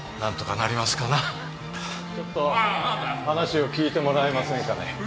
話を聞いてもらえませんかね？